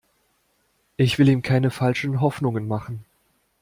Ich will ihm keine falschen Hoffnungen machen.